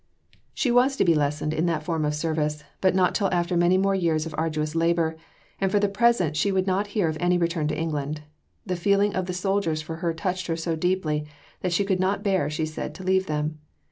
She was to be lessoned in that form of service, but not till after many more years of arduous labour, and for the present she would not hear of any return to England. The feeling of the soldiers for her touched her so deeply that she could not bear, she said, to leave them.